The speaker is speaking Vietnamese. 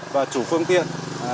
và chủ phương tiện